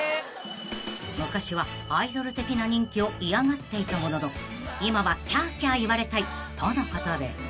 ［昔はアイドル的な人気を嫌がっていたものの今はキャーキャー言われたいとのことで］